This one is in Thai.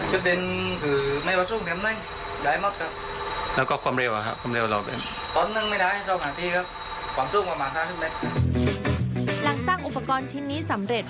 สร้างอุปกรณ์ชิ้นนี้สำเร็จ